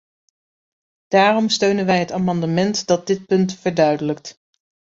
Daarom steunen wij het amendement dat dit punt verduidelijkt.